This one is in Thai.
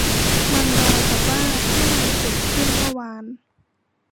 มันราวกับว่าถ้ามันเกิดขึ้นเมื่อวาน